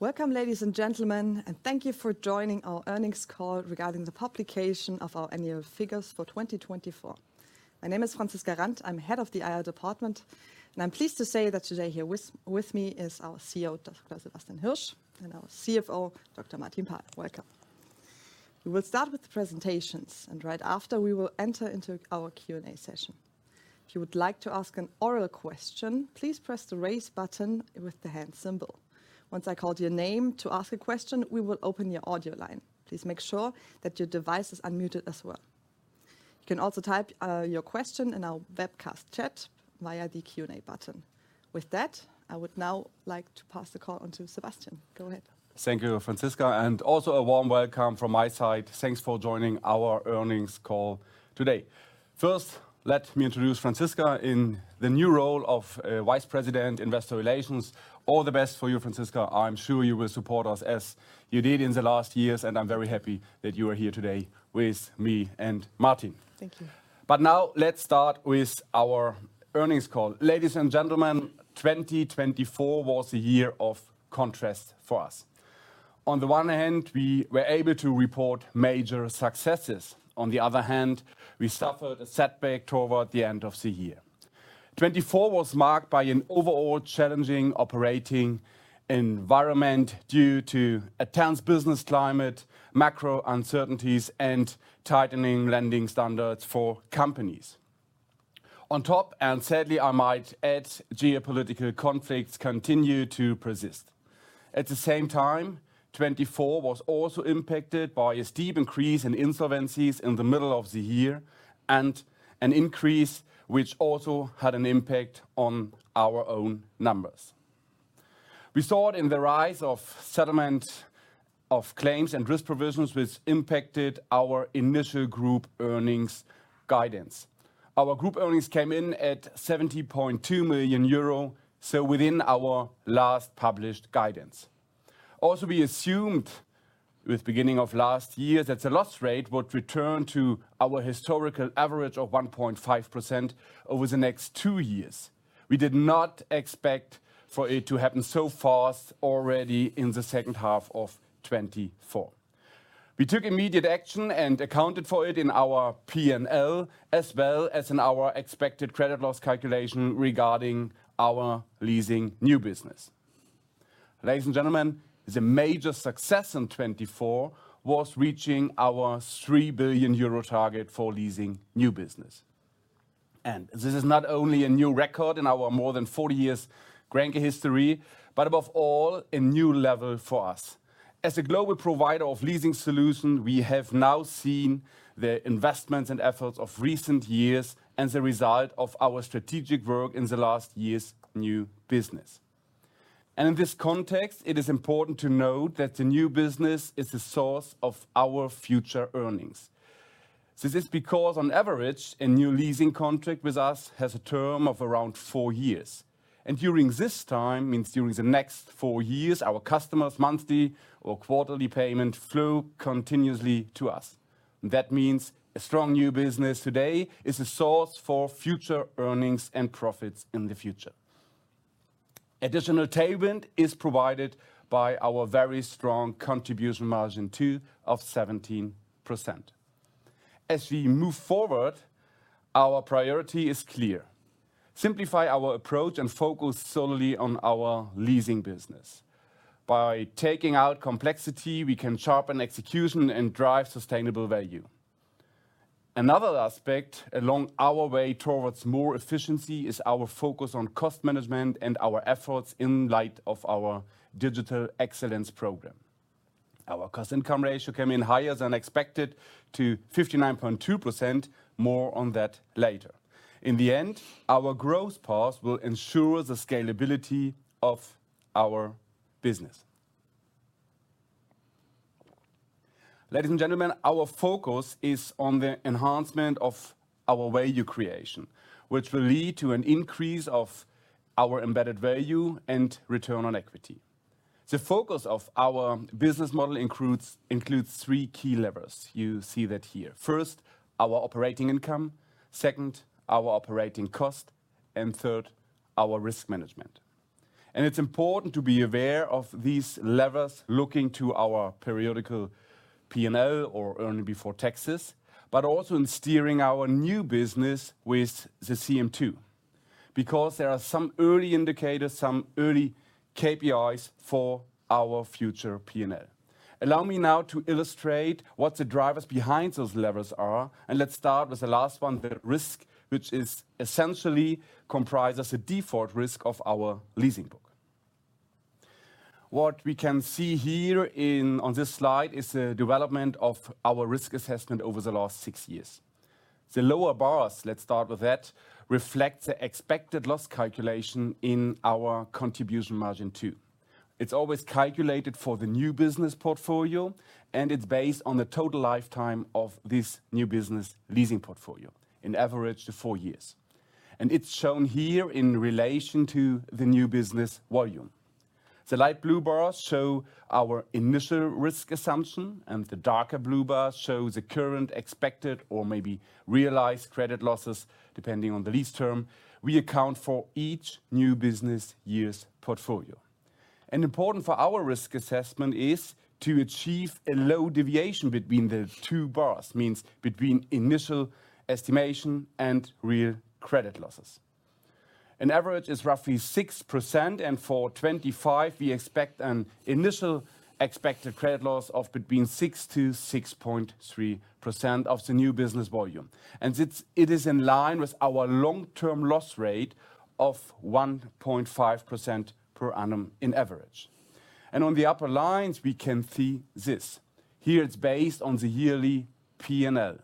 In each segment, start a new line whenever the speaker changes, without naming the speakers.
Welcome, ladies and gentlemen, and thank you for joining our earnings call regarding the publication of our annual figures for 2024. My name is Franziska Randt, I'm head of the IR department, and I'm pleased to say that today here with me is our CEO, Dr. Sebastian Hirsch, and our CFO, Dr. Martin Paal. Welcome. We will start with the presentations, and right after we will enter into our Q&A session. If you would like to ask an oral question, please press the raise button with the hand symbol. Once I call your name to ask a question, we will open your audio line. Please make sure that your device is unmuted as well. You can also type your question in our webcast chat via the Q&A button. With that, I would now like to pass the call on to Sebastian. Go ahead.
Thank you, Franziska, and also a warm welcome from my side. Thanks for joining our earnings call today. First, let me introduce Franziska in the new role of Vice President Investor Relations. All the best for you, Franziska. I'm sure you will support us as you did in the last years, and I'm very happy that you are here today with me and Martin.
Thank you.
Now let's start with our earnings call. Ladies and gentlemen, 2024 was a year of contrast for us. On the one hand, we were able to report major successes. On the other hand, we suffered a setback toward the end of the year. 2024 was marked by an overall challenging operating environment due to a tense business climate, macro uncertainties, and tightening lending standards for companies. On top, and sadly I might add, geopolitical conflicts continue to persist. At the same time, 2024 was also impacted by a steep increase in insolvencies in the middle of the year and an increase which also had an impact on our own numbers. We saw it in the rise of settlement of claims and risk provisions, which impacted our initial group earnings guidance. Our group earnings came in at 70.2 million euro, so within our last published guidance. Also, we assumed with the beginning of last year that the loss rate would return to our historical average of 1.5% over the next two years. We did not expect for it to happen so fast already in the second half of 2024. We took immediate action and accounted for it in our P&L as well as in our expected credit loss calculation regarding our leasing new business. Ladies and gentlemen, the major success in 2024 was reaching our 3 billion euro target for leasing new business. This is not only a new record in our more than 40 years' grenke history, but above all a new level for us. As a global provider of leasing solutions, we have now seen the investments and efforts of recent years as a result of our strategic work in the last year's new business. In this context, it is important to note that the new business is the source of our future earnings. This is because, on average, a new leasing contract with us has a term of around four years. During this time, meaning during the next four years, our customers' monthly or quarterly payment flow continuously to us. That means a strong new business today is a source for future earnings and profits in the future. Additional tailwind is provided by our very strong contribution margin 2% of 17%. As we move forward, our priority is clear: simplify our approach and focus solely on our leasing business. By taking out complexity, we can sharpen execution and drive sustainable value. Another aspect along our way towards more efficiency is our focus on cost management and our efforts in light of our digital excellence program. Our cost-income ratio came in higher than expected to 59.2%. More on that later. In the end, our growth path will ensure the scalability of our business. Ladies and gentlemen, our focus is on the enhancement of our value creation, which will lead to an increase of our embedded value and return on equity. The focus of our business model includes three key levers. You see that here. First, our operating income. Second, our operating cost. Third, our risk management. It is important to be aware of these levers looking to our periodical P&L or earning before taxes, but also in steering our new business with the CM2, because there are some early indicators, some early KPIs for our future P&L. Allow me now to illustrate what the drivers behind those levers are, and let's start with the last one, the risk, which essentially comprises the default risk of our leasing book. What we can see here on this slide is the development of our risk assessment over the last six years. The lower bars, let's start with that, reflect the expected loss calculation in our contribution margin two. It's always calculated for the new business portfolio, and it's based on the total lifetime of this new business leasing portfolio, in average to four years. And it's shown here in relation to the new business volume. The light blue bars show our initial risk assumption, and the darker blue bars show the current expected or maybe realized credit losses, depending on the lease term. We account for each new business year's portfolio. Important for our risk assessment is to achieve a low deviation between the two bars, meaning between initial estimation and real credit losses. An average is roughly 6%, and for 2025, we expect an initial expected credit loss of between 6%-6.3% of the new business volume. It is in line with our long-term loss rate of 1.5% per annum on average. On the upper lines, we can see this. Here, it is based on the yearly P&L.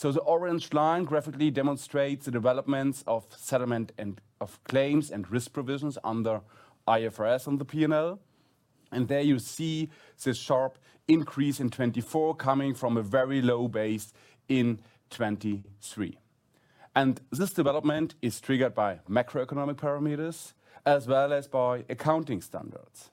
The orange line graphically demonstrates the developments of settlement and of claims and risk provisions under IFRS on the P&L. There you see the sharp increase in 2024 coming from a very low base in 2023. This development is triggered by macroeconomic parameters as well as by accounting standards.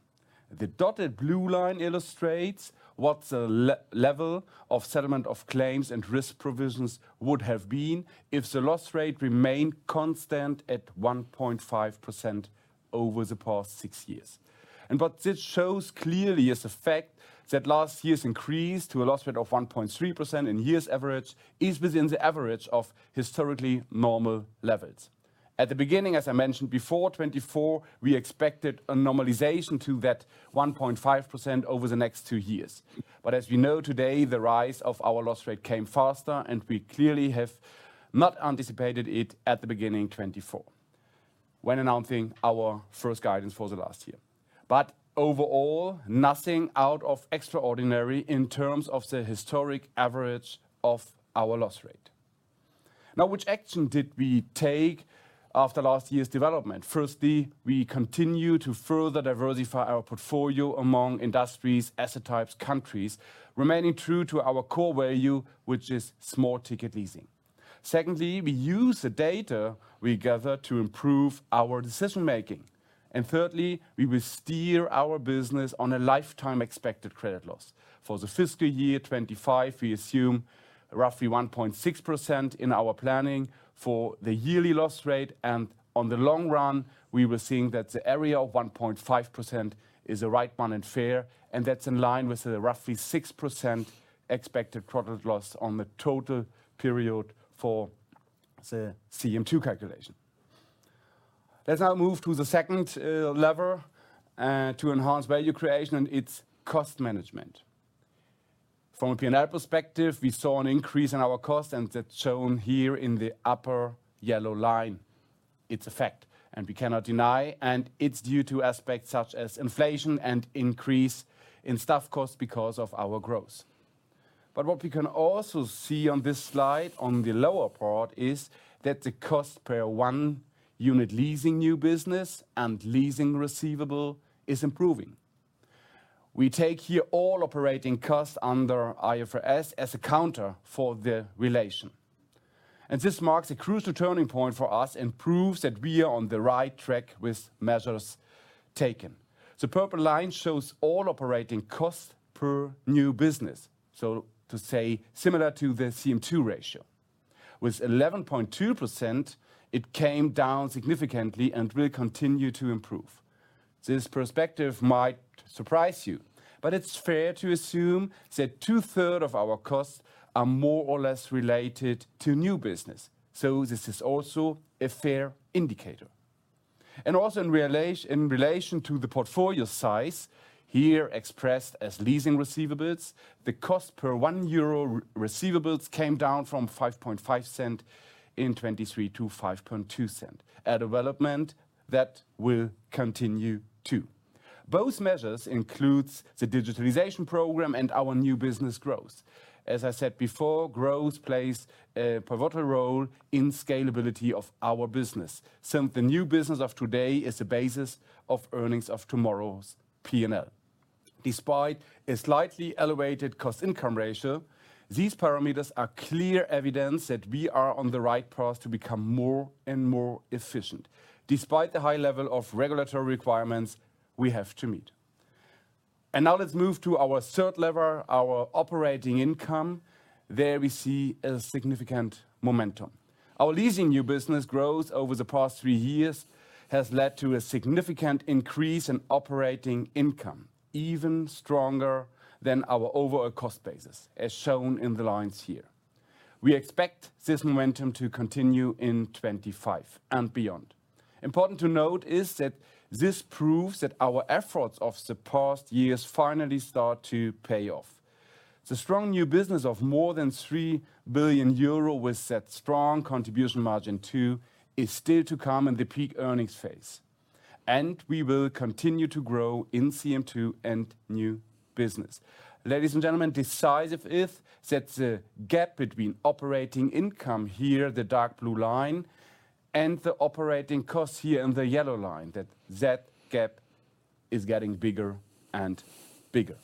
The dotted blue line illustrates what the level of settlement of claims and risk provisions would have been if the loss rate remained constant at 1.5% over the past six years. What this shows clearly is the fact that last year's increase to a loss rate of 1.3% in year's average is within the average of historically normal levels. At the beginning, as I mentioned before, 2024, we expected a normalization to that 1.5% over the next two years. As we know today, the rise of our loss rate came faster, and we clearly have not anticipated it at the beginning of 2024 when announcing our first guidance for the last year. Overall, nothing out of extraordinary in terms of the historic average of our loss rate. Now, which action did we take after last year's development? Firstly, we continue to further diversify our portfolio among industries, asset types, countries, remaining true to our core value, which is small-ticket leasing. Secondly, we use the data we gather to improve our decision making. Thirdly, we will steer our business on a lifetime expected credit loss. For the fiscal year 2025, we assume roughly 1.6% in our planning for the yearly loss rate. In the long run, we were seeing that the area of 1.5% is the right one and fair, and that is in line with the roughly 6% expected profit loss on the total period for the CM2 calculation. Let's now move to the second lever to enhance value creation and its cost management. From a P&L perspective, we saw an increase in our cost, and that is shown here in the upper yellow line, its effect. We cannot deny, and it's due to aspects such as inflation and increase in staff costs because of our growth. What we can also see on this slide on the lower part is that the cost per one unit leasing new business and leasing receivable is improving. We take here all operating costs under IFRS as a counter for the relation. This marks a crucial turning point for us and proves that we are on the right track with measures taken. The purple line shows all operating costs per new business, so to say, similar to the CM2 ratio. With 11.2%, it came down significantly and will continue to improve. This perspective might surprise you, but it's fair to assume that two-thirds of our costs are more or less related to new business. This is also a fair indicator. Also in relation to the portfolio size, here expressed as leasing receivables, the cost per one EUR receivable came down from 5.5% in 2023 to 5.2%, a development that will continue too. Both measures include the digitalization program and our new business growth. As I said before, growth plays a pivotal role in the scalability of our business. The new business of today is the basis of earnings of tomorrow's P&L. Despite a slightly elevated cost-income ratio, these parameters are clear evidence that we are on the right path to become more and more efficient, despite the high level of regulatory requirements we have to meet. Now let's move to our third lever, our operating income. There we see a significant momentum. Our leasing new business growth over the past three years has led to a significant increase in operating income, even stronger than our overall cost basis, as shown in the lines here. We expect this momentum to continue in 2025 and beyond. Important to note is that this proves that our efforts of the past years finally start to pay off. The strong new business of more than 3 billion euro with that strong contribution margin too is still to come in the peak earnings phase. We will continue to grow in CM2 and new business. Ladies and gentlemen, decisive is that the gap between operating income here, the dark blue line, and the operating costs here in the yellow line, that that gap is getting bigger and bigger.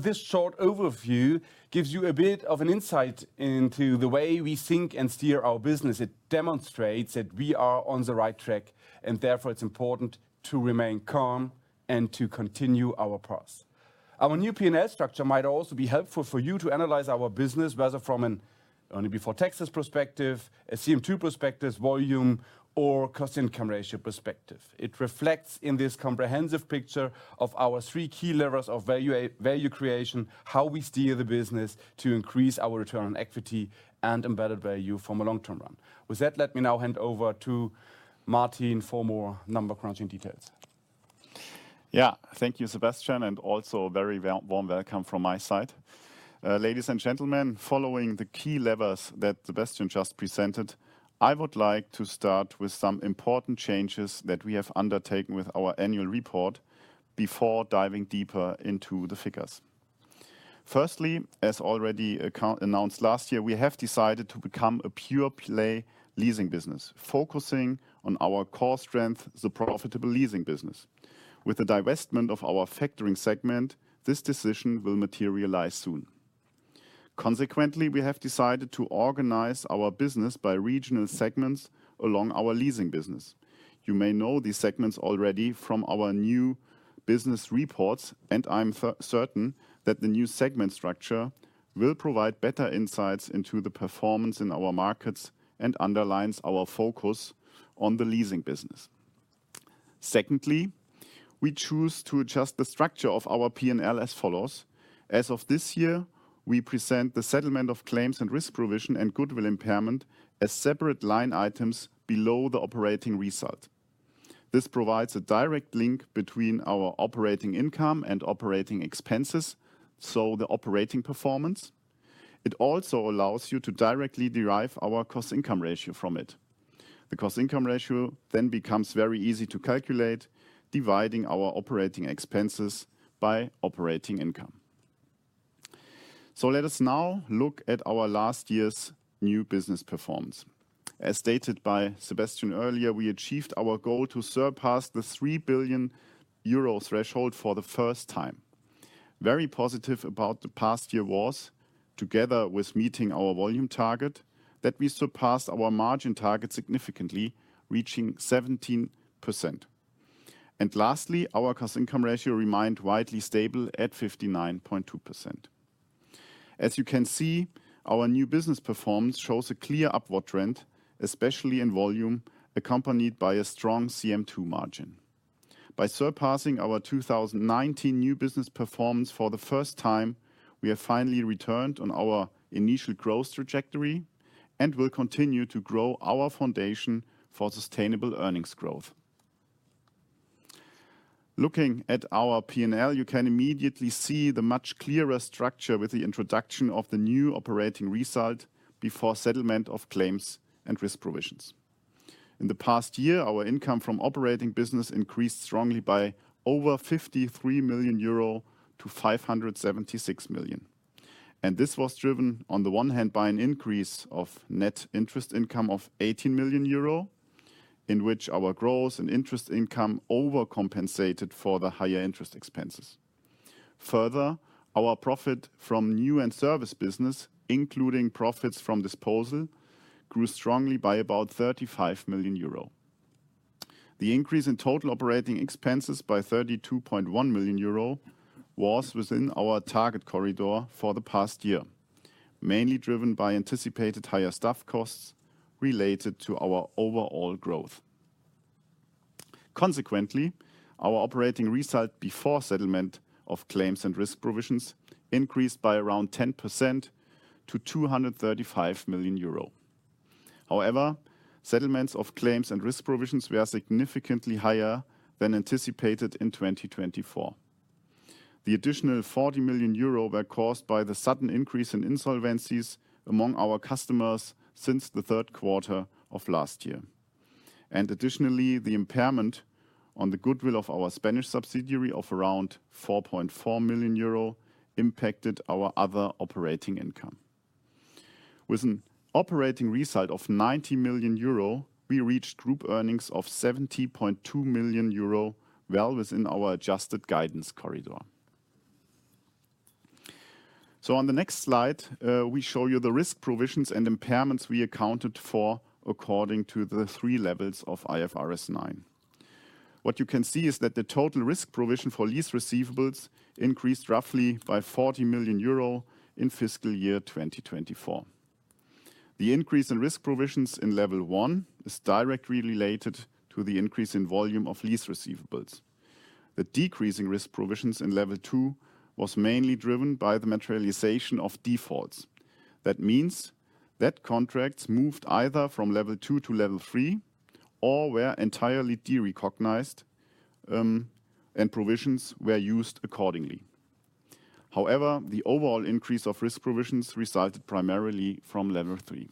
This short overview gives you a bit of an insight into the way we think and steer our business. It demonstrates that we are on the right track, and therefore it's important to remain calm and to continue our path. Our new PNs structure might also be helpful for you to analyze our business whether from an earning before taxes perspective, a CM2 perspective, volume, or cost-income ratio perspective. It reflects in this comprehensive picture of our three key levers of value creation, how we steer the business to increase our return on equity and embedded value from a long-term run. With that, let me now hand over to Martin for more number crunching details.
Yeah, thank you, Sebastian, and also a very warm welcome from my side. Ladies and gentlemen, following the key levers that Sebastian just presented, I would like to start with some important changes that we have undertaken with our annual report before diving deeper into the figures. Firstly, as already announced last year, we have decided to become a pure-play leasing business, focusing on our core strength, the profitable leasing business. With the divestment of our factoring segment, this decision will materialize soon. Consequently, we have decided to organize our business by regional segments along our leasing business. You may know these segments already from our new business reports, and I'm certain that the new segment structure will provide better insights into the performance in our markets and underlines our focus on the leasing business. Secondly, we choose to adjust the structure of our P&L as follows. As of this year, we present the settlement of claims and risk provision and goodwill impairment as separate line items below the operating result. This provides a direct link between our operating income and operating expenses, so the operating performance. It also allows you to directly derive our cost-income ratio from it. The cost-income ratio then becomes very easy to calculate, dividing our operating expenses by operating income. Let us now look at our last year's new business performance. As stated by Sebastian earlier, we achieved our goal to surpass the 3 billion euro threshold for the first time. Very positive about the past year was, together with meeting our volume target, that we surpassed our margin target significantly, reaching 17%. Lastly, our cost-income ratio remained widely stable at 59.2%. As you can see, our new business performance shows a clear upward trend, especially in volume, accompanied by a strong CM2 margin. By surpassing our 2019 new business performance for the first time, we have finally returned on our initial growth trajectory and will continue to grow our foundation for sustainable earnings growth. Looking at our P&L, you can immediately see the much clearer structure with the introduction of the new operating result before settlement of claims and risk provisions. In the past year, our income from operating business increased strongly by over 53 million euro to 576 million. This was driven on the one hand by an increase of net interest income of 18 million euro, in which our growth and interest income overcompensated for the higher interest expenses. Further, our profit from new and service business, including profits from disposal, grew strongly by about 35 million euro. The increase in total operating expenses by 32.1 million euro was within our target corridor for the past year, mainly driven by anticipated higher staff costs related to our overall growth. Consequently, our operating result before settlement of claims and risk provisions increased by around 10% to 235 million euro. However, settlements of claims and risk provisions were significantly higher than anticipated in 2024. The additional 40 million euro were caused by the sudden increase in insolvencies among our customers since the third quarter of last year. Additionally, the impairment on the goodwill of our Spanish subsidiary of around 4.4 million euro impacted our other operating income. With an operating result of 90 million euro, we reached group earnings of 70.2 million euro, well within our adjusted guidance corridor. On the next slide, we show you the risk provisions and impairments we accounted for according to the three levels of IFRS 9. What you can see is that the total risk provision for lease receivables increased roughly by 40 million euro in fiscal year 2024. The increase in risk provisions in level one is directly related to the increase in volume of lease receivables. The decrease in risk provisions in level two was mainly driven by the materialization of defaults. That means that contracts moved either from level two to level three or were entirely derecognized, and provisions were used accordingly. However, the overall increase of risk provisions resulted primarily from level three.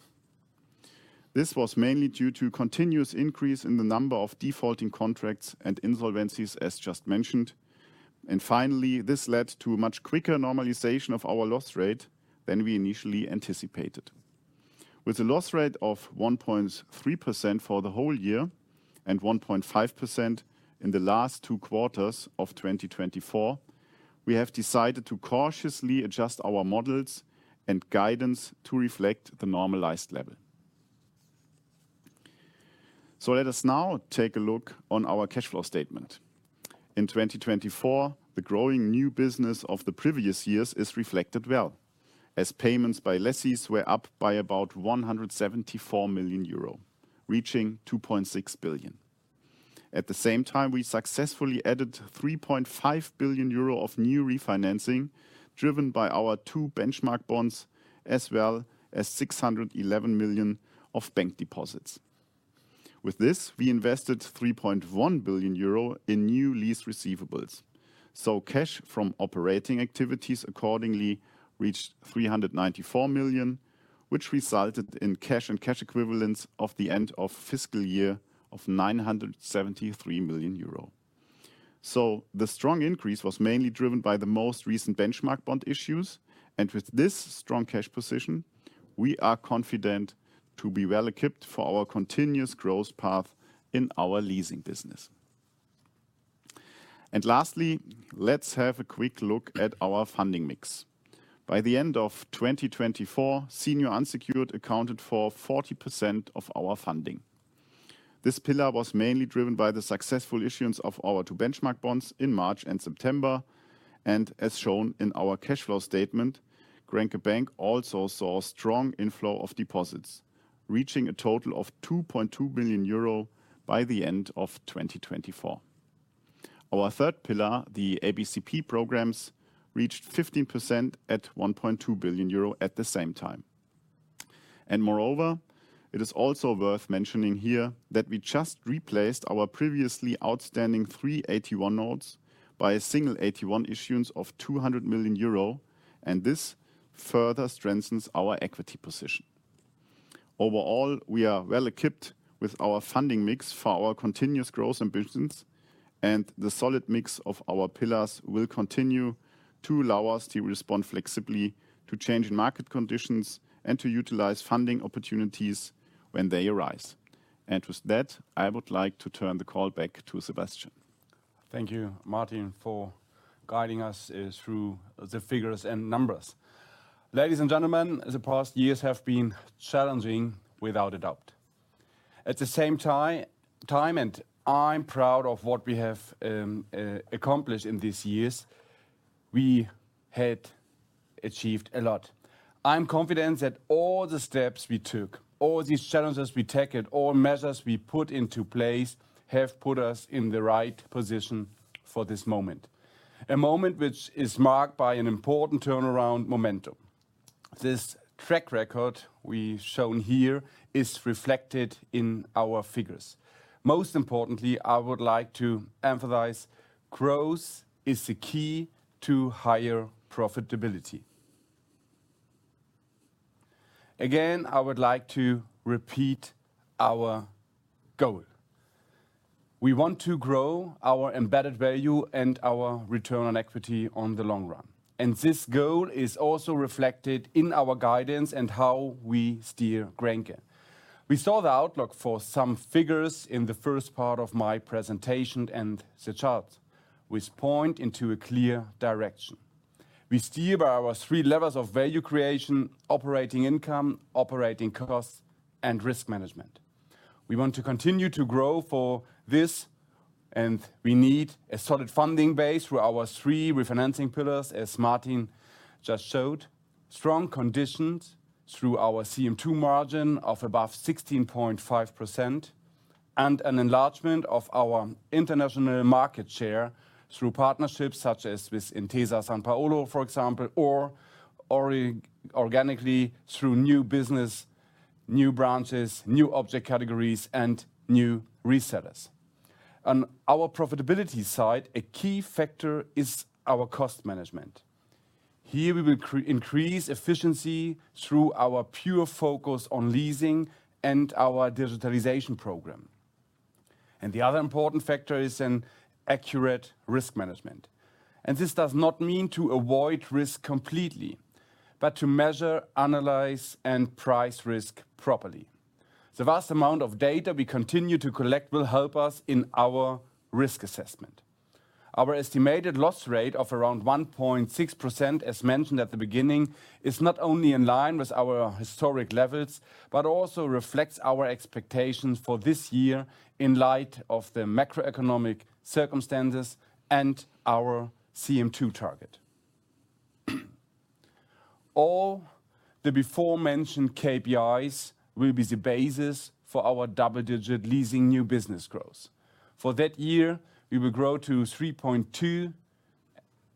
This was mainly due to a continuous increase in the number of defaulting contracts and insolvencies, as just mentioned. Finally, this led to a much quicker normalization of our loss rate than we initially anticipated. With a loss rate of 1.3% for the whole year and 1.5% in the last two quarters of 2024, we have decided to cautiously adjust our models and guidance to reflect the normalized level. Let us now take a look on our cash flow statement. In 2024, the growing new business of the previous years is reflected well, as payments by lessees were up by about 174 million euro, reaching 2.6 billion. At the same time, we successfully added 3.5 billion euro of new refinancing driven by our two benchmark bonds, as well as 611 million of bank deposits. With this, we invested 3.1 billion euro in new lease receivables. Cash from operating activities accordingly reached 394 million, which resulted in cash and cash equivalents at the end of fiscal year of 973 million euro. The strong increase was mainly driven by the most recent benchmark bond issues. With this strong cash position, we are confident to be well equipped for our continuous growth path in our leasing business. Lastly, let's have a quick look at our funding mix. By the end of 2024, senior unsecured accounted for 40% of our funding. This pillar was mainly driven by the successful issuance of our two benchmark bonds in March and September. As shown in our cash flow statement, Grenke Bank also saw strong inflow of deposits, reaching a total of 2.2 billion euro by the end of 2024. Our third pillar, the ABCP programs, reached 15% at 1.2 billion euro at the same time. Moreover, it is also worth mentioning here that we just replaced our previously outstanding three AT1 notes by a single AT1 issuance of 200 million euro, and this further strengthens our equity position. Overall, we are well equipped with our funding mix for our continuous growth ambitions, and the solid mix of our pillars will continue to allow us to respond flexibly to change in market conditions and to utilize funding opportunities when they arise. With that, I would like to turn the call back to Sebastian.
Thank you, Martin, for guiding us through the figures and numbers. Ladies and gentlemen, the past years have been challenging, without a doubt. At the same time, and I'm proud of what we have accomplished in these years, we had achieved a lot. I'm confident that all the steps we took, all these challenges we tackled, all measures we put into place have put us in the right position for this moment, a moment which is marked by an important turnaround momentum. This track record we've shown here is reflected in our figures. Most importantly, I would like to emphasize growth is the key to higher profitability. Again, I would like to repeat our goal. We want to grow our embedded value and our return on equity in the long run. This goal is also reflected in our guidance and how we steer grenke. We saw the outlook for some figures in the first part of my presentation and the charts, which point into a clear direction. We steer by our three levels of value creation, operating income, operating costs, and risk management. We want to continue to grow for this, and we need a solid funding base through our three refinancing pillars, as Martin just showed, strong conditions through our CM2 margin of above 16.5%, and an enlargement of our international market share through partnerships such as with Intesa Sanpaolo, for example, or organically through new business, new branches, new object categories, and new resellers. On our profitability side, a key factor is our cost management. Here, we will increase efficiency through our pure focus on leasing and our digitalization program. The other important factor is an accurate risk management. This does not mean to avoid risk completely, but to measure, analyze, and price risk properly. The vast amount of data we continue to collect will help us in our risk assessment. Our estimated loss rate of around 1.6%, as mentioned at the beginning, is not only in line with our historic levels, but also reflects our expectations for this year in light of the macroeconomic circumstances and our CM2 target. All the before-mentioned KPIs will be the basis for our double-digit leasing new business growth. For that year, we will grow to between 3.2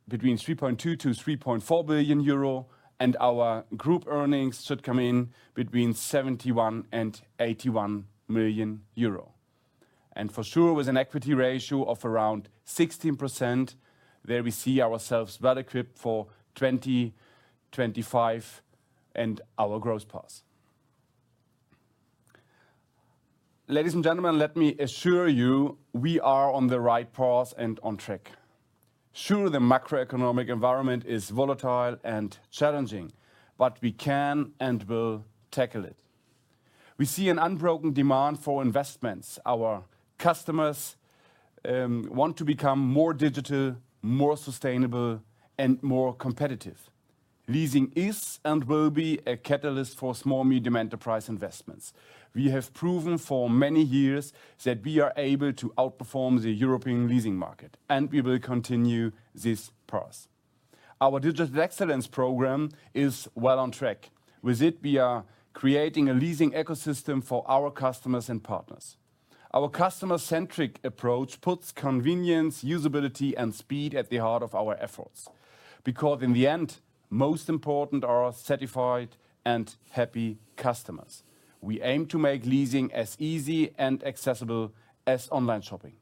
billion-3.4 billion euro, and our group earnings should come in between 71 million-81 million euro. For sure, with an equity ratio of around 16%, we see ourselves well equipped for 2025 and our growth path. Ladies and gentlemen, let me assure you, we are on the right path and on track. Sure, the macroeconomic environment is volatile and challenging, but we can and will tackle it. We see an unbroken demand for investments. Our customers want to become more digital, more sustainable, and more competitive. Leasing is and will be a catalyst for small-medium enterprise investments. We have proven for many years that we are able to outperform the European leasing market, and we will continue this path. Our digital excellence program is well on track. With it, we are creating a leasing ecosystem for our customers and partners. Our customer-centric approach puts convenience, usability, and speed at the heart of our efforts. Because in the end, most important are our satisfied and happy customers. We aim to make leasing as easy and accessible as online shopping.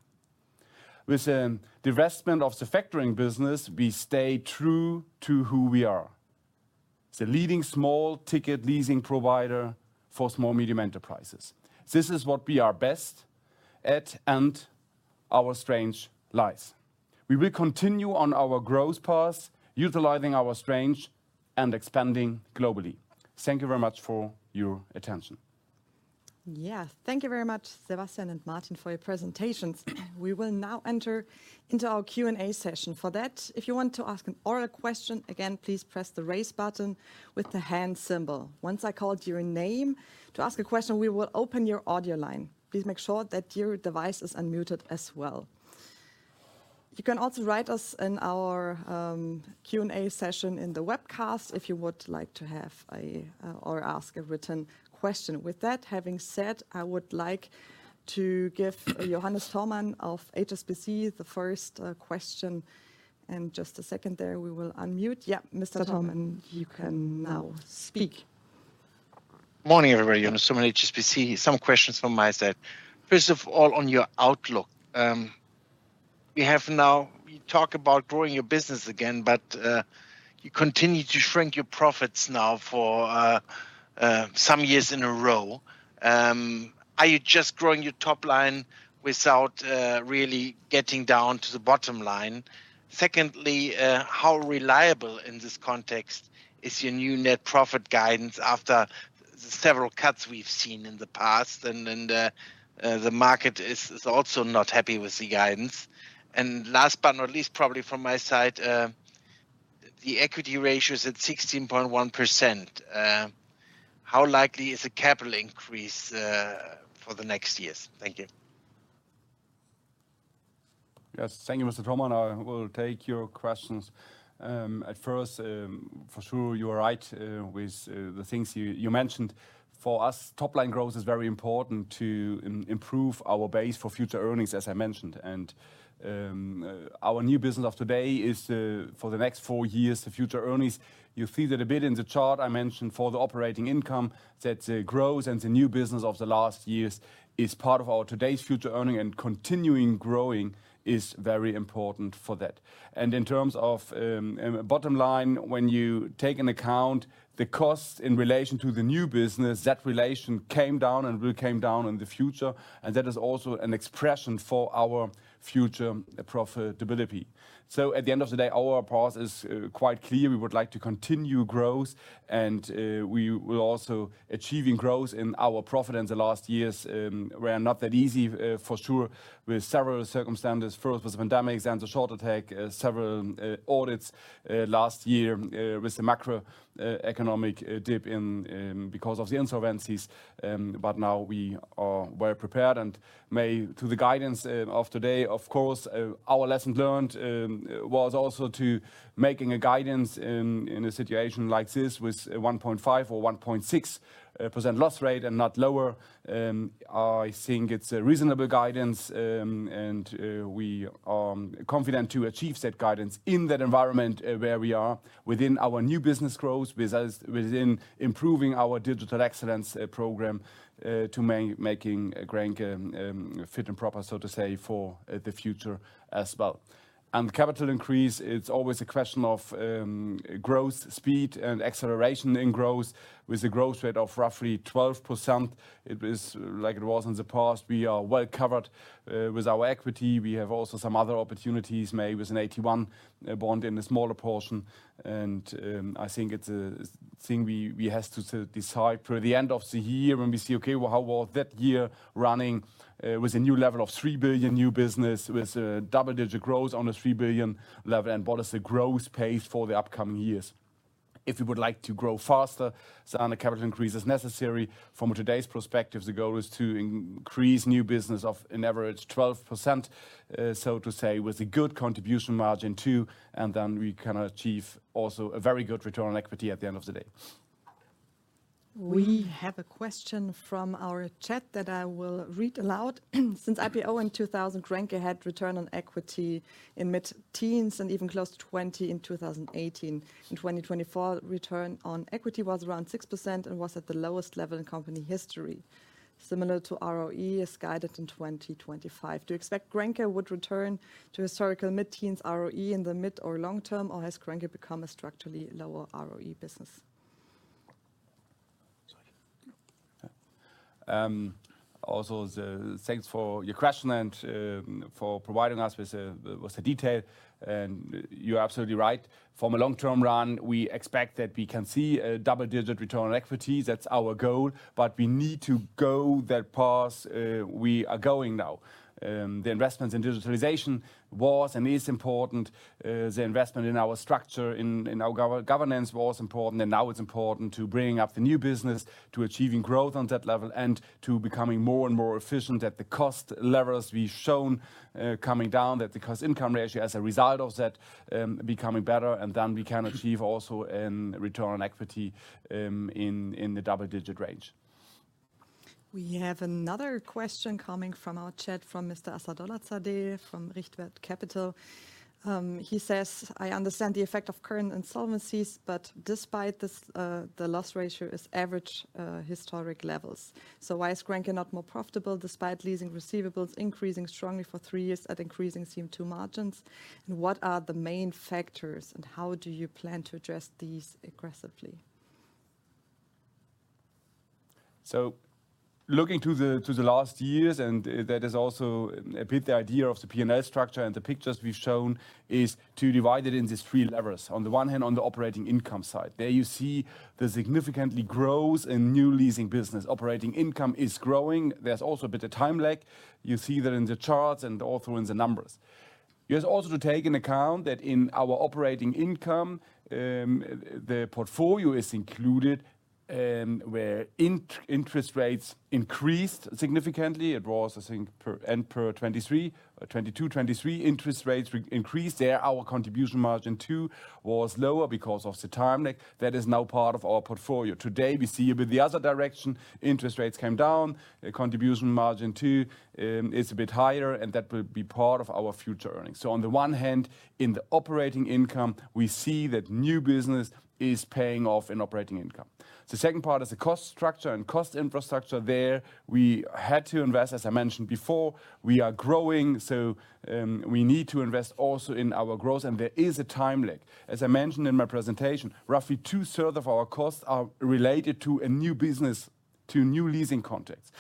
With the investment of the factoring business, we stay true to who we are, the leading small-ticket leasing provider for small-medium enterprises. This is what we are best at, and our strength lies. We will continue on our growth path, utilizing our strength and expanding globally. Thank you very much for your attention.
Yes, thank you very much, Sebastian and Martin, for your presentations. We will now enter into our Q&A session. For that, if you want to ask an oral question, again, please press the raise button with the hand symbol. Once I call your name to ask a question, we will open your audio line. Please make sure that your device is unmuted as well. You can also write us in our Q&A session in the webcast if you would like to have or ask a written question. With that having said, I would like to give Johannes Thomann of HSBC the first question. Just a second there, we will unmute. Yes, Mr. Thomann, you can now speak.
Good morning, everybody. Johannes Thormann, HSBC. Some questions from my side. First of all, on your outlook, we have now talked about growing your business again, but you continue to shrink your profits now for some years in a row. Are you just growing your top line without really getting down to the bottom line? Secondly, how reliable in this context is your new net profit guidance after the several cuts we've seen in the past? The market is also not happy with the guidance. Last but not least, probably from my side, the equity ratio is at 16.1%. How likely is a capital increase for the next years? Thank you.
Yes, thank you, Mr. Thomann. I will take your questions. At first, for sure, you are right with the things you mentioned. For us, top-line growth is very important to improve our base for future earnings, as I mentioned. Our new business of today is, for the next four years, the future earnings. You see that a bit in the chart I mentioned for the operating income, that the growth and the new business of the last years is part of our today's future earning, and continuing growing is very important for that. In terms of bottom line, when you take into account the cost in relation to the new business, that relation came down and will come down in the future. That is also an expression for our future profitability. At the end of the day, our path is quite clear. We would like to continue growth, and we will also achieve growth in our profits. The last years were not that easy, for sure, with several circumstances. First was the pandemic and the short attack, several audits last year with the macroeconomic dip because of the insolvencies. Now we are well prepared. To the guidance of today, of course, our lesson learned was also to make a guidance in a situation like this with a 1.5% or 1.6% loss rate and not lower. I think it's a reasonable guidance, and we are confident to achieve that guidance in that environment where we are within our new business growth, within improving our digital excellence program to make grenke fit and proper, so to say, for the future as well. Capital increase, it's always a question of growth speed and acceleration in growth. With a growth rate of roughly 12%, it is like it was in the past. We are well covered with our equity. We have also some other opportunities, maybe with an AT1 bond in the smaller portion. I think it's a thing we have to decide through the end of the year when we see, okay, how was that year running with a new level of 3 billion new business, with double-digit growth on a 3 billion level, and what is the growth pace for the upcoming years? If we would like to grow faster, some capital increase is necessary. From today's perspective, the goal is to increase new business of an average 12%, so to say, with a good contribution margin 2. Then we can achieve also a very good return on equity at the end of the day.
We have a question from our chat that I will read aloud. Since IPO in 2000, grenke had return on equity in mid-teens and even close to 20% in 2018. In 2024, return on equity was around 6% and was at the lowest level in company history. Similar to ROE, it's guided in 2025. Do you expect Grenke would return to historical mid-teens ROE in the mid or long term, or has grenke become a structurally lower ROE business?
Also, thanks for your question and for providing us with the detail. You're absolutely right. From a long-term run, we expect that we can see a double-digit return on equity. That's our goal, but we need to go that path we are going now. The investments in digitalization was and is important. The investment in our structure, in our governance, was important. It is important to bring up the new business, to achieving growth on that level, and to becoming more and more efficient at the cost levels we have shown coming down, that the cost-income ratio as a result of that becoming better. We can achieve also a return on equity in the double-digit range.
We have another question coming from our chat from Mr. Assadollahzadeh from Richtwert Capital. He says, "I understand the effect of current insolvencies, but despite this, the loss ratio is average historic levels. So why is grenke not more profitable despite leasing receivables increasing strongly for three years at increasing CM2 margins? What are the main factors, and how do you plan to address these aggressively?
Looking to the last years, and that is also a bit the idea of the P&L structure and the pictures we have shown, is to divide it into three levels. On the one hand, on the operating income side, there you see the significant growth in new leasing business. Operating income is growing. There is also a bit of time lag. You see that in the charts and also in the numbers. You also have to take into account that in our operating income, the portfolio is included where interest rates increased significantly. It was, I think, end per 2022-2023, interest rates increased. There, our contribution margin two was lower because of the time lag. That is now part of our portfolio. Today, we see a bit the other direction. Interest rates came down. The contribution margin too is a bit higher, and that will be part of our future earnings. On the one hand, in the operating income, we see that new business is paying off in operating income. The second part is the cost structure and cost infrastructure. There we had to invest, as I mentioned before. We are growing, so we need to invest also in our growth, and there is a time lag. As I mentioned in my presentation, roughly two-thirds of our costs are related to new business, to new leasing contacts.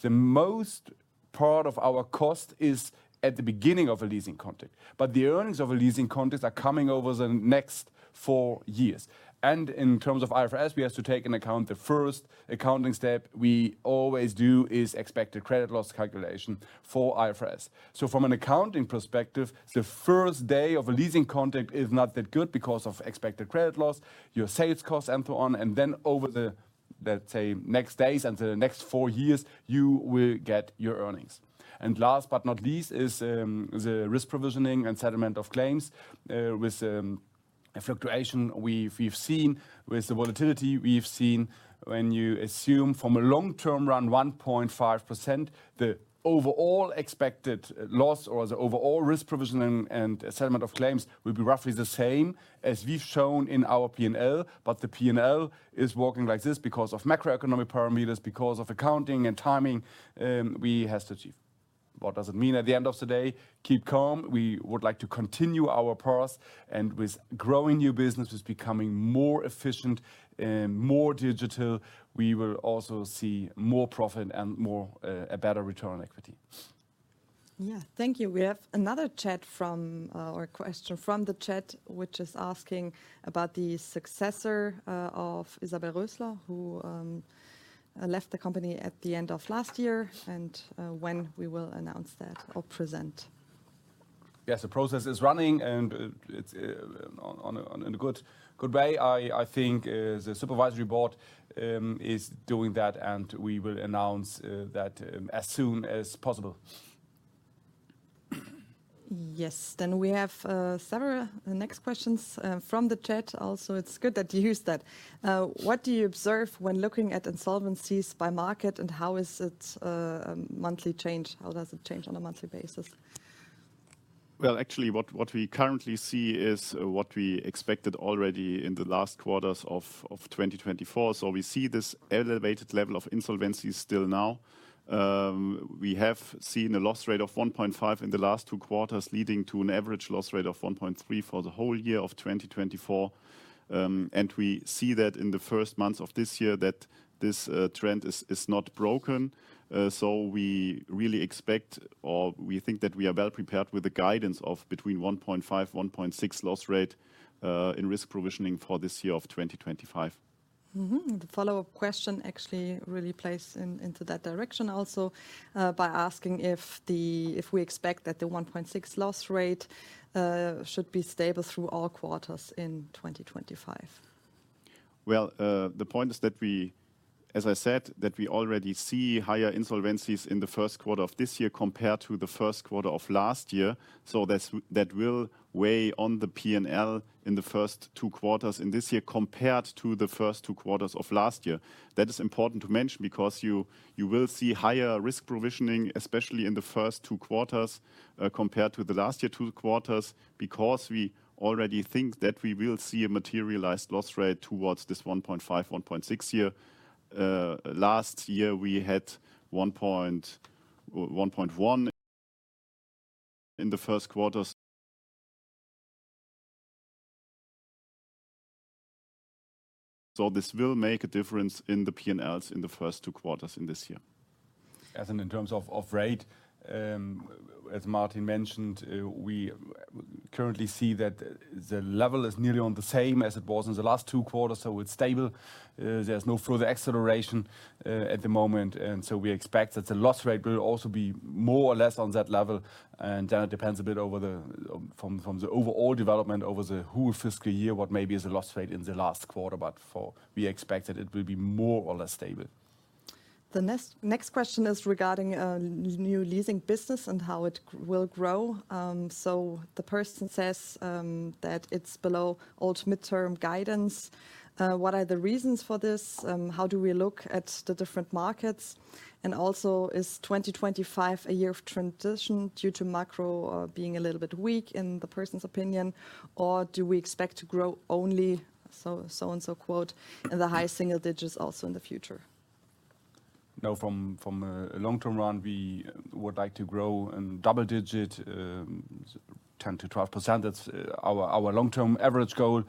The most part of our cost is at the beginning of a leasing contact. The earnings of a leasing contact are coming over the next four years. In terms of IFRS, we have to take into account the first accounting step we always do is expected credit loss calculation for IFRS. From an accounting perspective, the first day of a leasing contract is not that good because of expected credit loss, your sales costs, and so on. Then over the, let's say, next days until the next four years, you will get your earnings. Last but not least is the risk provisioning and settlement of claims with the fluctuation we've seen, with the volatility we've seen. When you assume from a long-term run, 1.5%, the overall expected loss or the overall risk provisioning and settlement of claims will be roughly the same as we've shown in our P&L. The P&L is working like this because of macroeconomic parameters, because of accounting and timing we have to achieve. What does it mean at the end of the day? Keep calm. We would like to continue our path. With growing new business, with becoming more efficient, more digital, we will also see more profit and a better return on equity.
Yeah, thank you. We have another question from the chat, which is asking about the successor of Isabel Rössler, who left the company at the end of last year, and when we will announce that or present.
Yes, the process is running, and it's in a good way. I think the supervisory board is doing that, and we will announce that as soon as possible.
Yes, we have several next questions from the chat. Also, it's good that you used that. What do you observe when looking at insolvencies by market, and how is it monthly change? How does it change on a monthly basis?
Actually, what we currently see is what we expected already in the last quarters of 2024. We see this elevated level of insolvencies still now. We have seen a loss rate of 1.5% in the last two quarters, leading to an average loss rate of 1.3% for the whole year of 2024. We see that in the first months of this year that this trend is not broken. We really expect, or we think that we are well prepared with the guidance of between 1.5%-1.6% loss rate in risk provisioning for this year of 2025.
The follow-up question actually really plays into that direction also by asking if we expect that the 1.6% loss rate should be stable through all quarters in 2025.
The point is that we, as I said, already see higher insolvencies in the first quarter of this year compared to the first quarter of last year. That will weigh on the P&L in the first two quarters in this year compared to the first two quarters of last year. That is important to mention because you will see higher risk provisioning, especially in the first two quarters compared to last year's two quarters, because we already think that we will see a materialized loss rate towards this 1.5%-1.6% year. Last year, we had 1.1% in the first quarters. This will make a difference in the P&Ls in the first two quarters in this year.
In terms of rate, as Martin mentioned, we currently see that the level is nearly on the same as it was in the last two quarters. It is stable. There is no further acceleration at the moment. We expect that the loss rate will also be more or less on that level. It depends a bit on the overall development over the whole fiscal year what maybe is a loss rate in the last quarter. We expect that it will be more or less stable.
The next question is regarding new leasing business and how it will grow. The person says that it's below old midterm guidance. What are the reasons for this? How do we look at the different markets? Also, is 2025 a year of transition due to macro being a little bit weak in the person's opinion, or do we expect to grow only so-and-so, quote, in the high single digits also in the future?
No, from a long-term run, we would like to grow in double-digit, 10%-12%. That's our long-term average goal.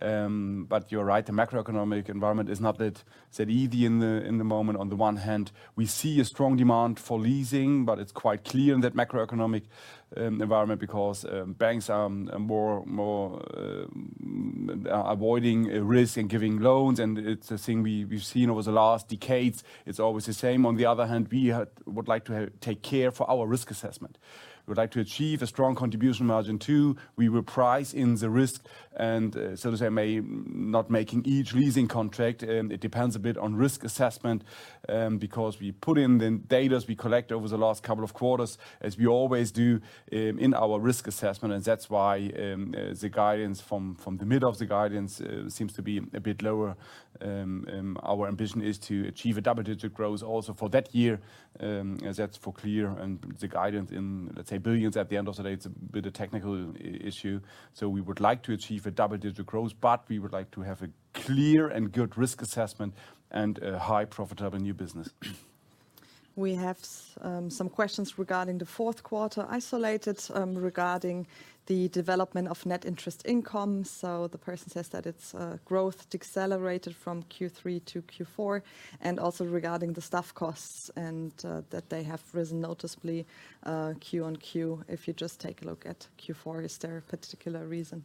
You're right, the macroeconomic environment is not that easy in the moment. On the one hand, we see a strong demand for leasing, but it's quite clear in that macroeconomic environment because banks are avoiding risk and giving loans. It's a thing we've seen over the last decades. It's always the same. On the other hand, we would like to take care for our risk assessment. We would like to achieve a strong contribution margin 2. We will price in the risk. May not make each leasing contract. It depends a bit on risk assessment because we put in the data we collect over the last couple of quarters, as we always do in our risk assessment. That's why the guidance from the middle of the guidance seems to be a bit lower. Our ambition is to achieve a double-digit growth also for that year. That's for clear and the guidance in, let's say, billions at the end of the day. It's a bit of a technical issue. We would like to achieve a double-digit growth, but we would like to have a clear and good risk assessment and a high profitable new business.
We have some questions regarding the fourth quarter isolated regarding the development of net interest income. The person says that its growth decelerated from Q3 to Q4 and also regarding the staff costs and that they have risen noticeably Q on Q. If you just take a look at Q4, is there a particular reason?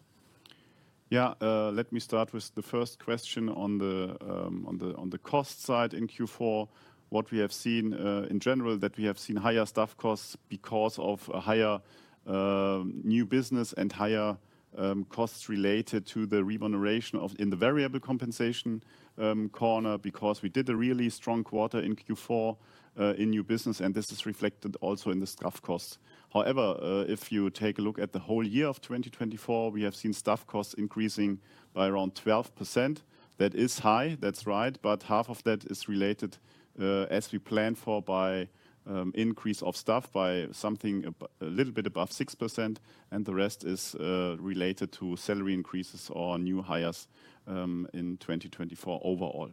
Yeah, let me start with the first question on the cost side in Q4. What we have seen in general is that we have seen higher staff costs because of higher new business and higher costs related to the remuneration in the variable compensation corner because we did a really strong quarter in Q4 in new business. This is reflected also in the staff costs. However, if you take a look at the whole year of 2024, we have seen staff costs increasing by around 12%. That is high, that's right. Half of that is related, as we planned for, by increase of staff by something a little bit above 6%. The rest is related to salary increases or new hires in 2024 overall.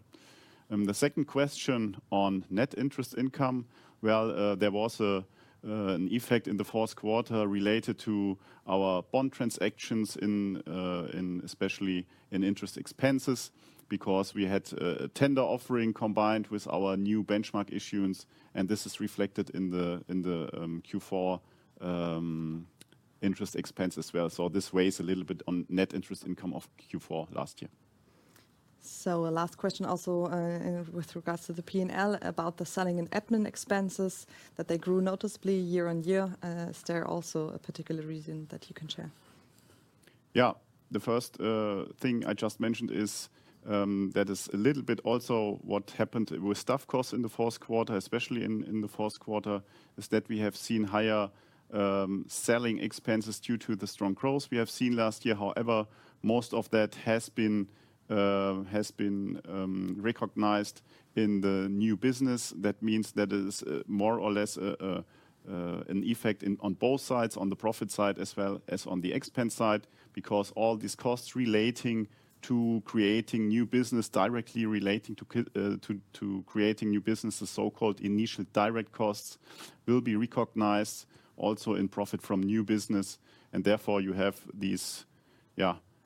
The second question on net interest income, there was an effect in the fourth quarter related to our bond transactions, especially in interest expenses, because we had a tender offering combined with our new benchmark issuance. This is reflected in the Q4 interest expense as well. This weighs a little bit on net interest income of Q4 last year.
Last question also with regards to the P&L about the selling and admin expenses that they grew noticeably year on year. Is there also a particular reason that you can share?
Yeah, the first thing I just mentioned is that is a little bit also what happened with staff costs in the fourth quarter, especially in the fourth quarter, is that we have seen higher selling expenses due to the strong growth we have seen last year. However, most of that has been recognized in the new business. That means that it is more or less an effect on both sides, on the profit side as well as on the expense side, because all these costs relating to creating new business, directly relating to creating new business, the so-called initial direct costs will be recognized also in profit from new business. Therefore, you have these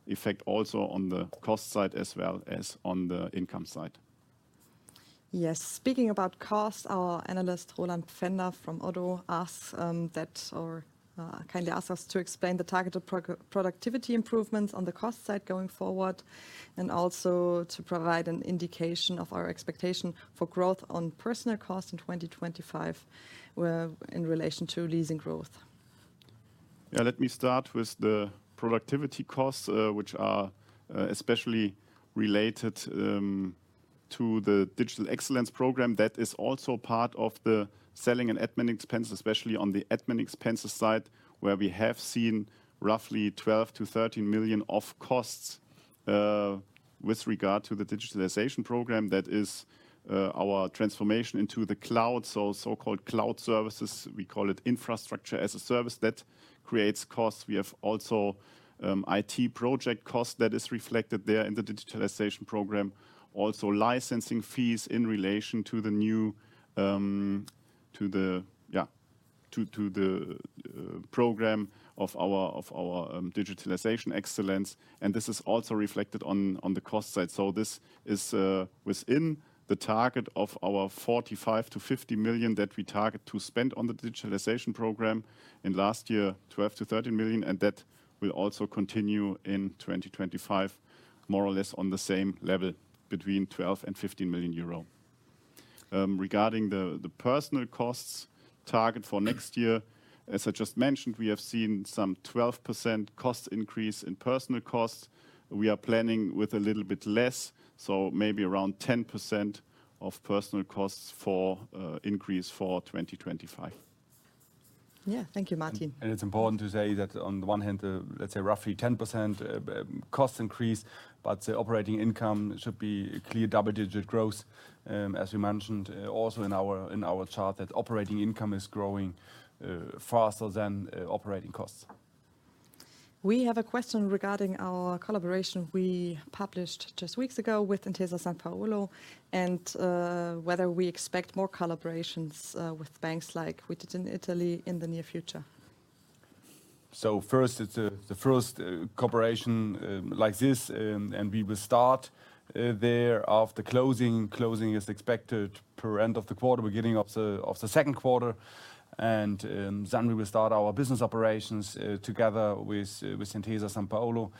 effects also on the cost side as well as on the income side.
Yes, speaking about costs, our analyst Roland Ffänder from ODDO asked that or kindly asked us to explain the targeted productivity improvements on the cost side going forward and also to provide an indication of our expectation for growth on personnel costs in 2025 in relation to leasing growth.
Yeah, let me start with the productivity costs, which are especially related to the digital excellence program. That is also part of the selling and admin expenses, especially on the admin expenses side, where we have seen roughly 12 million-13 million of costs with regard to the digitalization program. That is our transformation into the cloud, so-called cloud services. We call it infrastructure as a service that creates costs. We have also IT project costs that are reflected there in the digitalization program. Also licensing fees in relation to the new, to the program of our digitalization excellence. This is also reflected on the cost side. This is within the target of our 45 million-50 million that we target to spend on the digitalization program. In last year, 12 million-13 million. That will also continue in 2025, more or less on the same level between 12 million-15 million euro. Regarding the personnel costs target for next year, as I just mentioned, we have seen some 12% cost increase in personnel costs. We are planning with a little bit less, so maybe around 10% of personnel costs for increase for 2025.
Yeah, thank you, Martin.
It is important to say that on the one hand, let's say roughly 10% cost increase, but the operating income should be clear double-digit growth. As you mentioned also in our chart, that operating income is growing faster than operating costs.
We have a question regarding our collaboration we published just weeks ago with Intesa Sanpaolo and whether we expect more collaborations with banks like we did in Italy in the near future.
First, it is the first cooperation like this, and we will start there after closing. Closing is expected per end of the quarter, beginning of the second quarter. We will start our business operations together with Intesa Sanpaolo.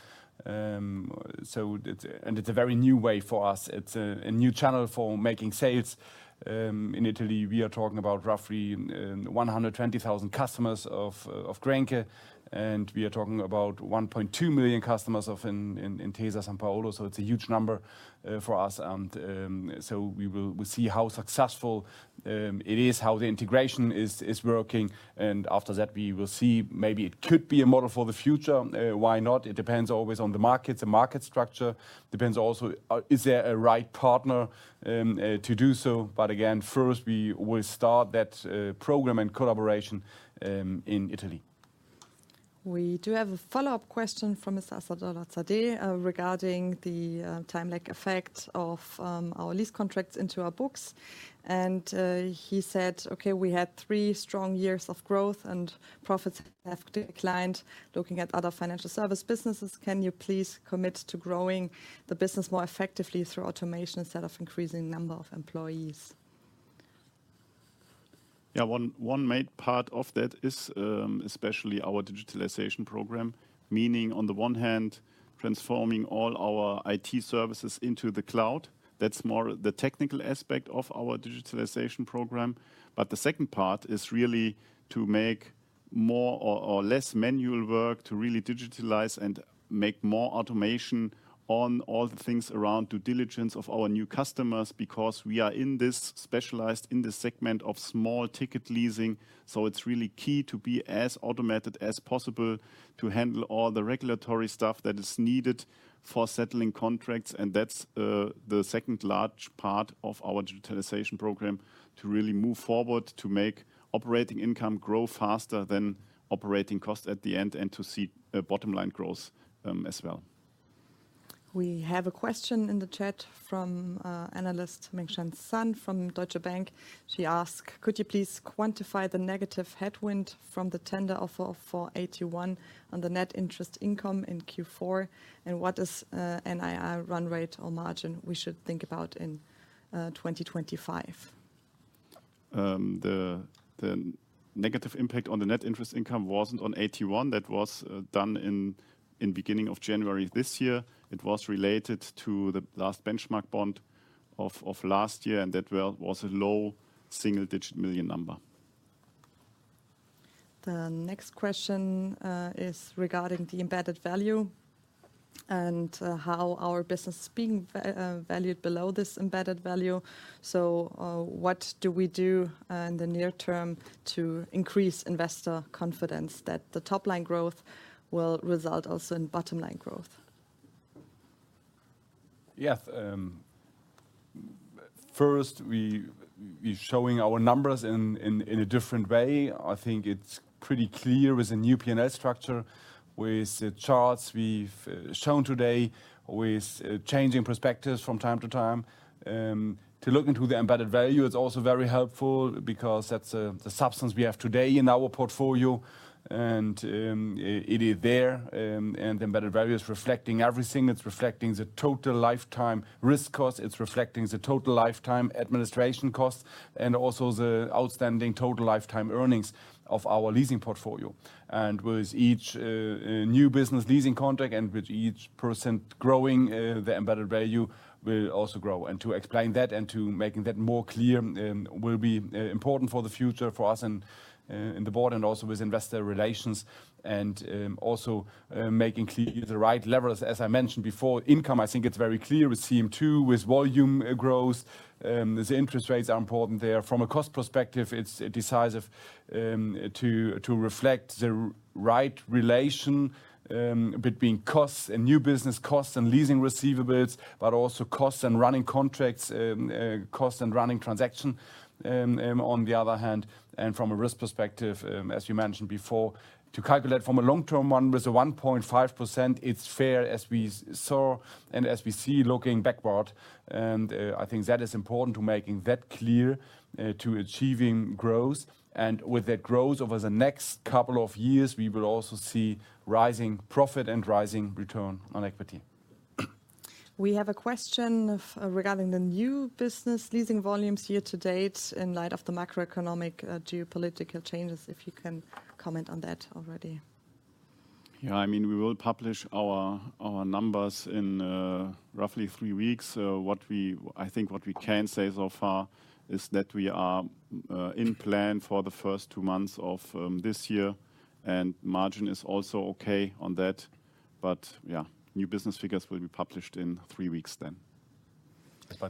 It is a very new way for us. It is a new channel for making sales. In Italy, we are talking about roughly 120,000 customers of grenke. We are talking about 1.2 million customers of Intesa Sanpaolo. It is a huge number for us. We will see how successful it is, how the integration is working. After that, we will see maybe it could be a model for the future. Why not? It depends always on the markets, the market structure. It depends also if there is a right partner to do so. First, we will start that program and collaboration in Italy.
We do have a follow-up question from Mr. Assadollahzadeh regarding the time lag effect of our lease contracts into our books. He said, "Okay, we had three strong years of growth and profits have declined. Looking at other financial service businesses, can you please commit to growing the business more effectively through automation instead of increasing the number of employees?"
Yeah, one main part of that is especially our digitalization program, meaning on the one hand, transforming all our IT services into the cloud. That is more the technical aspect of our digitalization program. The second part is really to make more or less manual work to really digitalize and make more automation on all the things around due diligence of our new customers because we are specialized in this segment of small-ticket leasing. It is really key to be as automated as possible to handle all the regulatory stuff that is needed for settling contracts. That is the second large part of our digitalization program to really move forward to make operating income grow faster than operating costs at the end and to see bottom line growth as well.
We have a question in the chat from analyst Mingshan Sun from Deutsche Bank. She asked, "Could you please quantify the negative headwind from the tender offer for AT1 on the net interest income in Q4? And what is NII run rate or margin we should think about in 2025?"
The negative impact on the net interest income was not on AT1. That was done in the beginning of January this year. It was related to the last benchmark bond of last year, and that was a low single digit million number.
The next question is regarding the embedded value and how our business is being valued below this embedded value. What do we do in the near term to increase investor confidence that the top line growth will result also in bottom line growth?
Yes, first, we are showing our numbers in a different way. I think it's pretty clear with a new PNs structure, with the charts we've shown today, with changing perspectives from time to time. To look into the embedded value, it's also very helpful because that's the substance we have today in our portfolio. It is there, and the embedded value is reflecting everything. It's reflecting the total lifetime risk costs. It's reflecting the total lifetime administration costs and also the outstanding total lifetime earnings of our leasing portfolio. With each new business leasing contract and with each percent growing, the embedded value will also grow. To explain that and to make that more clear will be important for the future for us and the board and also with investor relations and also making clear the right levels. As I mentioned before, income, I think it's very clear with CM2, with volume growth. The interest rates are important there. From a cost perspective, it's decisive to reflect the right relation between costs and new business costs and leasing receivables, but also costs and running contracts, costs and running transactions on the other hand. From a risk perspective, as you mentioned before, to calculate from a long-term one with a 1.5%, it's fair as we saw and as we see looking backward. I think that is important to making that clear to achieving growth. With that growth over the next couple of years, we will also see rising profit and rising return on equity.
We have a question regarding the new business leasing volumes year to date in light of the macroeconomic geopolitical changes. If you can comment on that already.
Yeah, I mean, we will publish our numbers in roughly three weeks. I think what we can say so far is that we are in plan for the first two months of this year. Margin is also okay on that. New business figures will be published in three weeks then.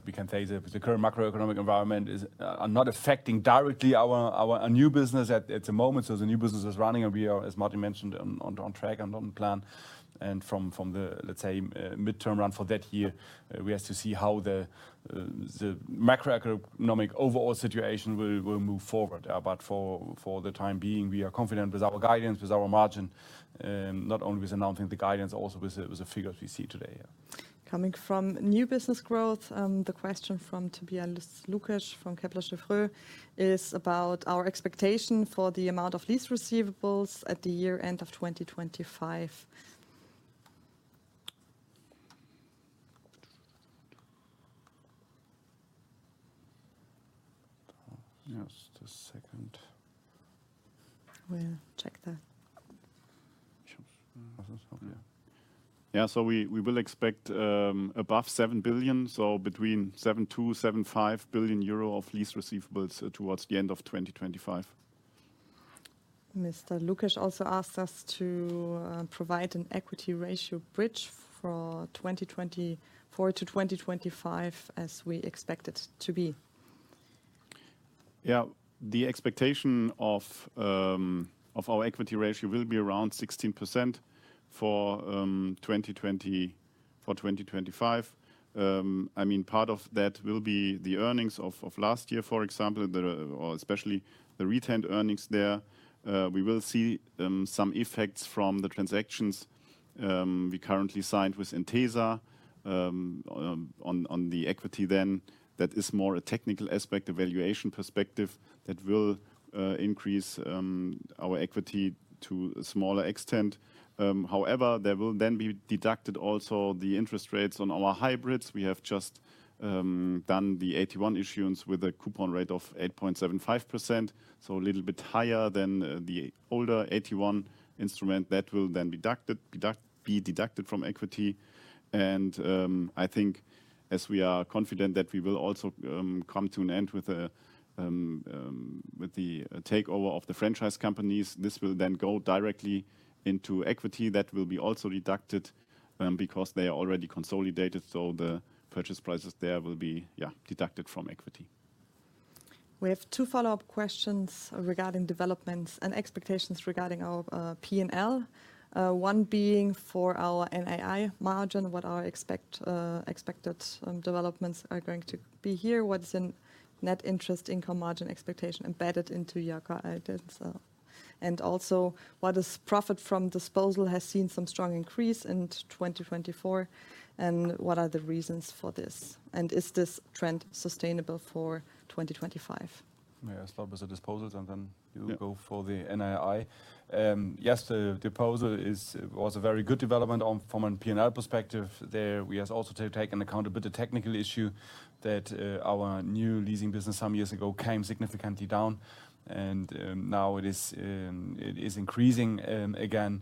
We can say the current macroeconomic environment is not affecting directly our new business at the moment. The new business is running and we are, as Martin mentioned, on track and on plan. From the, let's say, midterm run for that year, we have to see how the macroeconomic overall situation will move forward. For the time being, we are confident with our guidance, with our margin, not only with announcing the guidance, also with the figures we see today.
Coming from new business growth, the question from Tobias Lukasch from Kepler Cheuvreux is about our expectation for the amount of lease receivables at the year end of 2025.
Just a second.
We'll check that.
Yeah, we will expect above 7 billion, so between 7.2 billion-7.5 billion euro of lease receivables towards the end of 2025.
Mr. Lukasch also asked us to provide an equity ratio bridge for 2024 to 2025 as we expect it to be.
The expectation of our equity ratio will be around 16% for 2025. I mean, part of that will be the earnings of last year, for example, or especially the retained earnings there. We will see some effects from the transactions we currently signed with Intesa on the equity then. That is more a technical aspect, a valuation perspective that will increase our equity to a smaller extent. However, there will then be deducted also the interest rates on our hybrids. We have just done the AT1 issuance with a coupon rate of 8.75%, so a little bit higher than the older AT1 instrument that will then be deducted from equity. I think as we are confident that we will also come to an end with the takeover of the franchise companies, this will then go directly into equity that will be also deducted because they are already consolidated. The purchase prices there will be deducted from equity.
We have two follow-up questions regarding developments and expectations regarding our P&L. One being for our NII margin, what our expected developments are going to be here, what's in net interest income margin expectation embedded into YACA items. Also, what is profit from disposal has seen some strong increase in 2024 and what are the reasons for this and is this trend sustainable for 2025?
Yeah, I start with the disposal and then you go for the NII. Yes, the disposal was a very good development from a P&L perspective. There we have also to take into account a bit of technical issue that our new leasing business some years ago came significantly down and now it is increasing again. On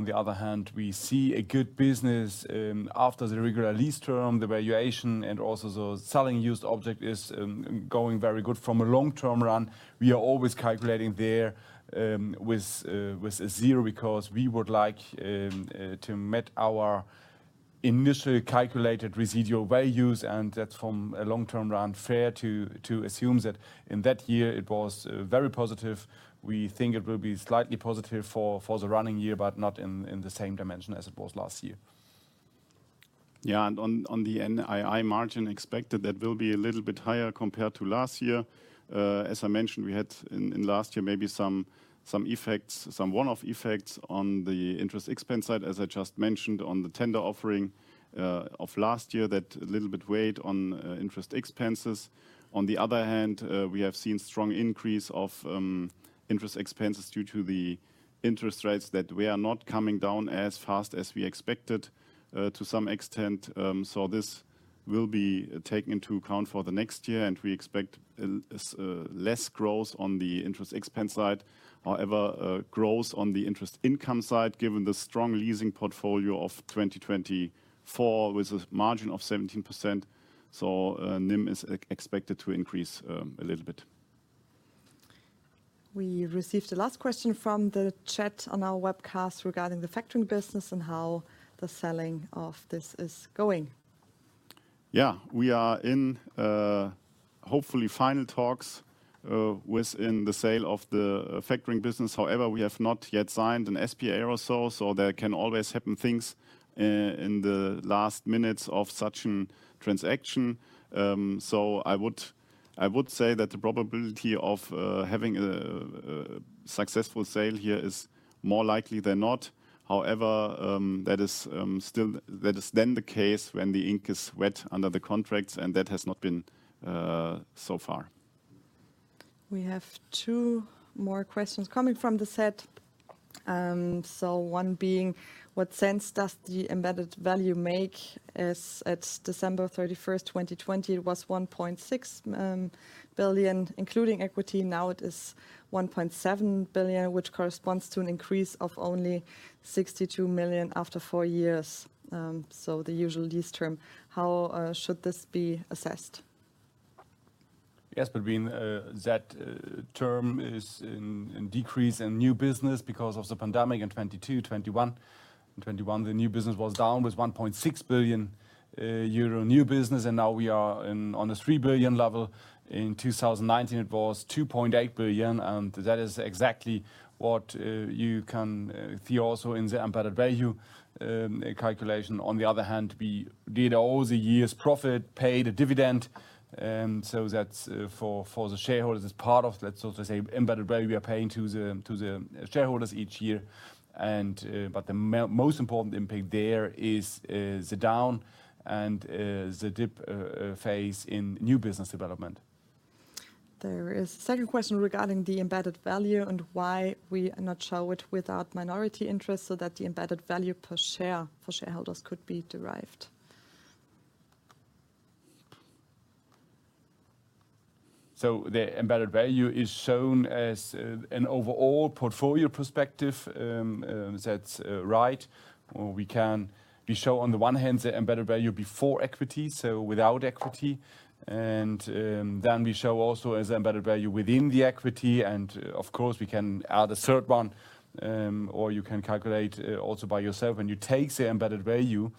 the other hand, we see a good business after the regular lease term, the valuation and also the selling used object is going very good from a long-term run. We are always calculating there with a zero because we would like to meet our initially calculated residual values and that's from a long-term run fair to assume that in that year it was very positive. We think it will be slightly positive for the running year, but not in the same dimension as it was last year.
Yeah, and on the NII margin expected that will be a little bit higher compared to last year. As I mentioned, we had in last year maybe some effects, some one-off effects on the interest expense side, as I just mentioned on the tender offering of last year that a little bit weighed on interest expenses. On the other hand, we have seen strong increase of interest expenses due to the interest rates that are not coming down as fast as we expected to some extent. This will be taken into account for the next year and we expect less growth on the interest expense side. However, growth on the interest income side given the strong leasing portfolio of 2024 with a margin of 17%. NIM is expected to increase a little bit.
We received the last question from the chat on our webcast regarding the factoring business and how the selling of this is going.
Yeah, we are in hopefully final talks within the sale of the factoring business. However, we have not yet signed an SPA or so, so there can always happen things in the last minutes of such a transaction. I would say that the probability of having a successful sale here is more likely than not. However, that is still then the case when the ink is wet under the contracts and that has not been so far.
We have two more questions coming from the set. One being, what sense does the embedded value make as at December 31st, 2020, it was 1.6 billion including equity, now it is 1.7 billion, which corresponds to an increase of only 62 million after four years. The usual lease term, how should this be assessed?
Yes, but that term is in decrease in new business because of the pandemic in 2022, 2021. In 2021, the new business was down with 1.6 billion euro new business and now we are on a 3 billion level. In 2019, it was 2.8 billion and that is exactly what you can see also in the embedded value calculation. On the other hand, we did all the years profit paid a dividend. That is for the shareholders as part of, let's say, embedded value we are paying to the shareholders each year. The most important impact there is the down and the dip phase in new business development.
There is a second question regarding the embedded value and why we not show it without minority interest so that the embedded value per share for shareholders could be derived.
The embedded value is shown as an overall portfolio perspective. That's right. We show on the one hand the embedded value before equity, so without equity. Then we show also as embedded value within the equity. Of course, we can add a third one or you can calculate also by yourself when you take the embedded value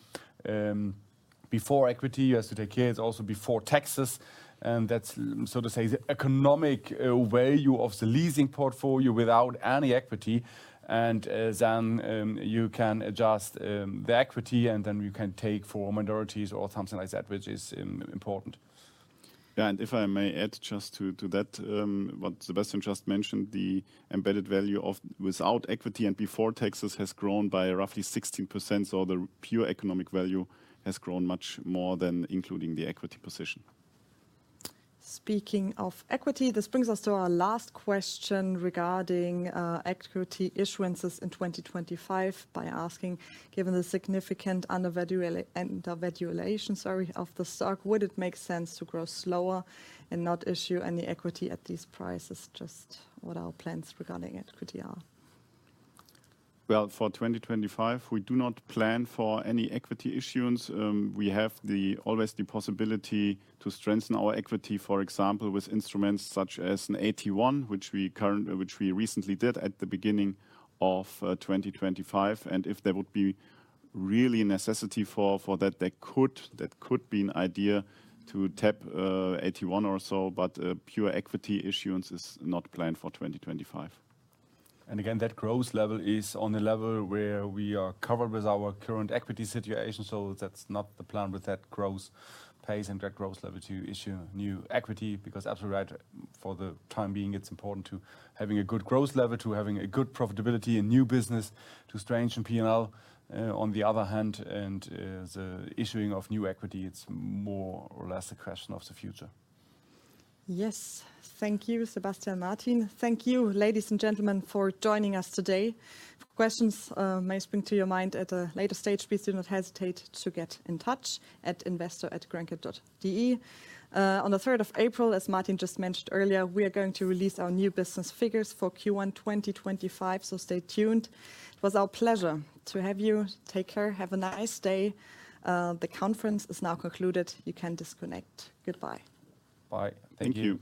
before equity. You have to take care it's also before taxes. That is, so to say, the economic value of the leasing portfolio without any equity. Then you can adjust the equity and then you can take for minorities or something like that, which is important.
Yeah, and if I may add just to that, what Sebastian just mentioned, the embedded value of without equity and before taxes has grown by roughly 16%. The pure economic value has grown much more than including the equity position.
Speaking of equity, this brings us to our last question regarding equity issuances in 2025 by asking, given the significant undervaluation of the stock, would it make sense to grow slower and not issue any equity at these prices? Just what our plans regarding equity are.
For 2025, we do not plan for any equity issuance. We have always the possibility to strengthen our equity, for example, with instruments such as an AT1, which we recently did at the beginning of 2025. If there would be really a necessity for that, that could be an idea to tap AT1 or so, but pure equity issuance is not planned for 2025.
That growth level is on a level where we are covered with our current equity situation. That is not the plan with that growth pace and that growth level to issue new equity because absolutely right for the time being, it is important to having a good growth level to having a good profitability in new business to strengthen P&L on the other hand. The issuing of new equity, it's more or less a question of the future.
Yes, thank you, Sebastian. Martin, thank you, ladies and gentlemen, for joining us today. Questions may spring to your mind at a later stage. Please do not hesitate to get in touch at investor@grenke.de. On the 3rd of April, as Martin just mentioned earlier, we are going to release our new business figures for Q1 2025. Stay tuned. It was our pleasure to have you. Take care. Have a nice day. The conference is now concluded. You can disconnect. Goodbye.
Bye.
Thank you.